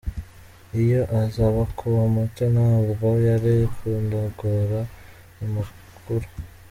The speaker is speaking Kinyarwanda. Iyo aza kuba muto ntabwo yari kundongora, ni mukuru.